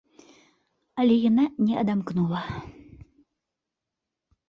Але яна не адамкнула.